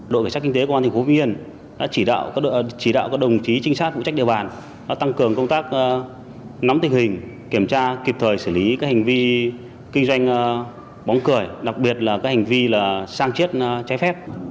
đội cảnh sát kinh tế công an tỉnh hồ viên đã chỉ đạo các đồng chí trinh sát vụ trách điều bản tăng cường công tác nắm tình hình kiểm tra kịp thời xử lý các hành vi kinh doanh bóng cười đặc biệt là các hành vi sang triết trái phép